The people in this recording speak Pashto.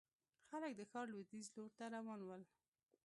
خلک د ښار لوېديځ لور ته روان ول.